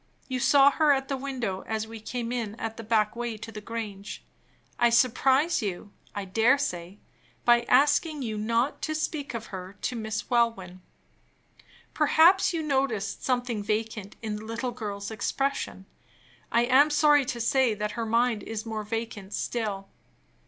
You saw her at the window as we came in at the back way to the Grange. I surprised you, I dare say, by asking you not to speak of her to Miss Welwyn. Perhaps you noticed something vacant in the little girl's expression. I am sorry to say that her mind is more vacant still.